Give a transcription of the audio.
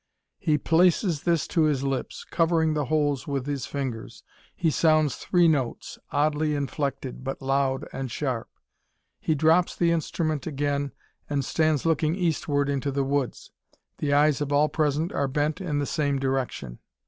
He places this to his lips, covering the holes, with his fingers. He sounds three notes, oddly inflected, but loud and sharp. He drops the instrument again, and stands looking eastward into the woods. The eyes of all present are bent in the same direction.